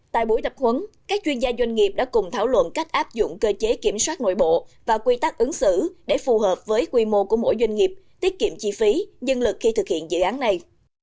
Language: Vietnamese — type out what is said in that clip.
tại buổi tập huấn các chuyên gia doanh nghiệp đã cùng thảo luận cách áp dụng cơ chế kiểm soát nội bộ và quy tắc ứng xử để phù hợp với quy mô của mỗi doanh nghiệp tiết kiệm chi phí dân lực khi thực hiện dự án này